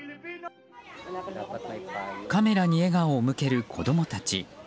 カメラに笑顔を向ける子供たち。